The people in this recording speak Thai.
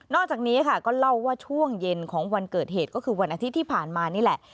จากนี้ค่ะก็เล่าว่าช่วงเย็นของวันเกิดเหตุก็คือวันอาทิตย์ที่ผ่านมานี่แหละ